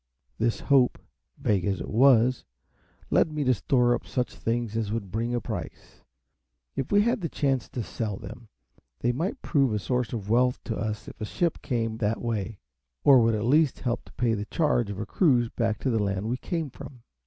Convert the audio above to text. This hope, vague as it was, led me to store up such things as would bring a price, if we had the chance to sell them; they might prove a source of wealth to us if a ship came that way, or would at least help to pay the charge of a cruise back to the land we came from.